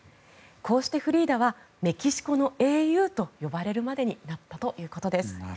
こうしてフリーダはメキシコの英雄と呼ばれるまでになったということです。